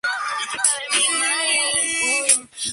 Recibe el nombre en honor del poeta polaco Adam Mickiewicz.